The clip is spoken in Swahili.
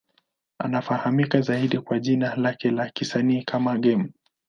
Anafahamika zaidi kwa jina lake la kisanii kama Game.